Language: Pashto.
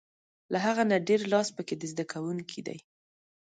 له هغه نه ډېر لاس په کې د زده کوونکي دی.